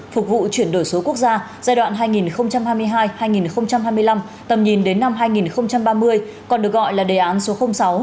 phục vụ chuyển đổi số quốc gia giai đoạn hai nghìn hai mươi hai hai nghìn hai mươi năm tầm nhìn đến năm hai nghìn ba mươi còn được gọi là đề án số sáu